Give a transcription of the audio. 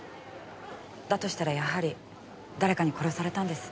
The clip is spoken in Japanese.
だとしたらやはり誰かに殺されたんですね。